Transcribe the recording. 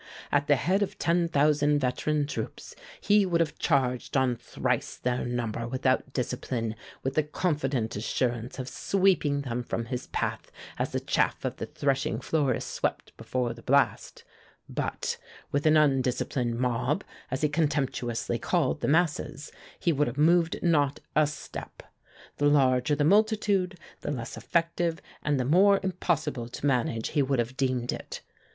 At the head of ten thousand veteran troops, he would have charged on thrice their number without discipline, with the confident assurance of sweeping them from his path as the chaff of the threshing floor is swept before the blast; but, with an undisciplined mob, as he contemptuously called the masses, he would have moved not a step. The larger the multitude, the less effective and the more impossible to manage he would have deemed it.